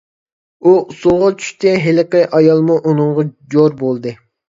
ئۇ ئۇسسۇلغا چۈشتى، ھېلىقى ئايالمۇ ئۇنىڭغا جور بولدى.